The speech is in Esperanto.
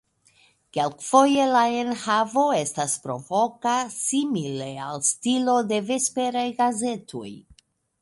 Kelkfoje la enhavo estas provoka, simile al stilo de vesperaj gazetoj.